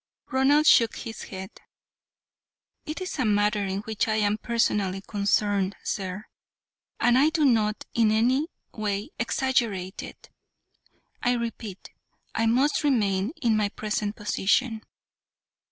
Ronald shook his head. "It is a matter in which I am personally concerned, sir, and I do not in any way exaggerate it. I repeat, I must remain in my present position."